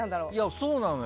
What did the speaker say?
そうなのよ。